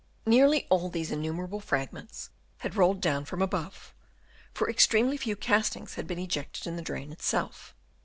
Nearly all these in numerable fragments had rolled down from above, for extremely few castings had been ejected in the drain itself.